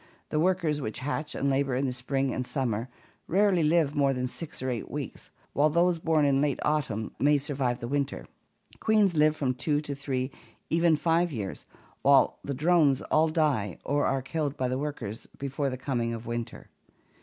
The workers which hatch and labor in the spring and summer rarely live more than six or eight weeks, while those born in late autumn may survive ANIMAL ASSOCIATIONS. COMMUNALISM 257 the winter. Queens live from two to three, even five years, while the drones all die or are killed by the workers before the coming of winter.